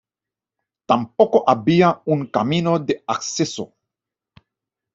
Tampoco había un camino de acceso.